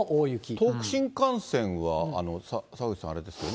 東北新幹線は澤口さん、あれですよね。